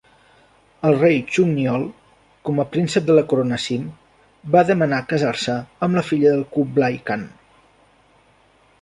El rei Chungnyeol, com a príncep de la corona Sim, va demanar casar-se amb la filla de Kublai Khan.